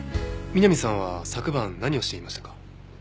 美波さんは昨晩何をしていましたか？